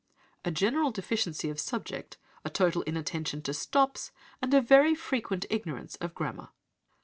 "'A general deficiency of subject, a total inattention to stops, and a very frequent ignorance of grammar.'